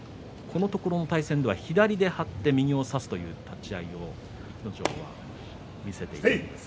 このところの対戦では左に張って右を差すという立ち合いを逸ノ城は見せています。